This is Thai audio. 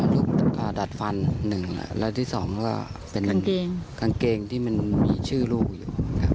ลูกดัดฟันหนึ่งและที่สองก็เป็นกางเกงที่มีชื่อลูกอยู่